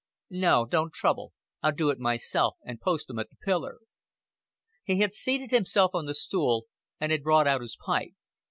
"No, don't trouble. I'll do it myself and post 'em at the pillar." He had seated himself on the stool and had brought out his pipe.